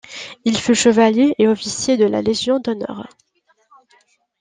Il fut chevalier et officier de la Légion d’honneur.